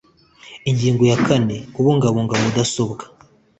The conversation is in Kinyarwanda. ingingo ya kane kubungabunga mudasobwa